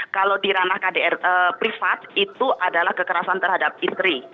kalau di ranah kdr privat itu adalah kekerasan terhadap istri